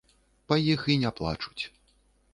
Па іх і не плачуць.